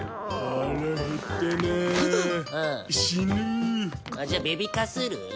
あっじゃあベビカスる？